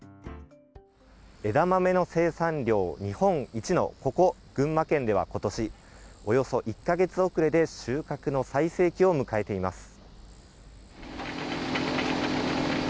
枝豆の生産量日本一のここ、群馬県では今年、およそ１か月遅れで収穫の最盛期を迎えています。